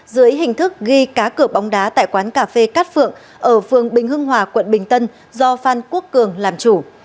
dưới hình thức ghi cá cửa bóng đá tại quán cà phê cát phượng ở phường bình hưng hòa quận bình tân do phan quốc cường làm chủ